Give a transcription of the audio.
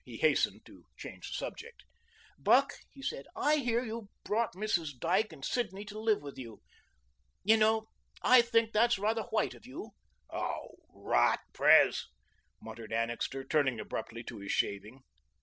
He hastened to change the subject. "Buck," he said, "I hear you've brought Mrs. Dyke and Sidney to live with you. You know, I think that's rather white of you." "Oh, rot, Pres," muttered Annixter, turning abruptly to his shaving.